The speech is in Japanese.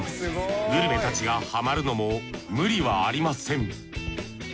グルメたちがハマるのも無理はありません